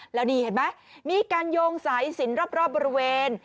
แล้วนี่เห็นไหมมีการโยงสายสินรอบบริเวณ